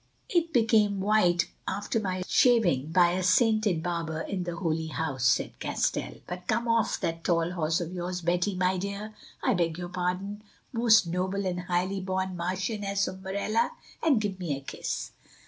"It came white after my shaving by a sainted barber in the Holy House," said Castell. "But come off that tall horse of yours, Betty, my dear—I beg your pardon—most noble and highly born Marchioness of Morella, and give me a kiss."